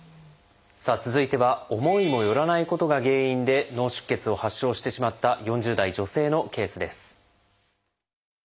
さあ続いては思いもよらないことが原因で脳出血を発症してしまった４０代女性のケースです。